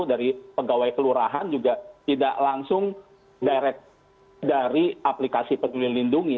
dari pegawai kelurahan juga tidak langsung direct dari aplikasi peduli lindungi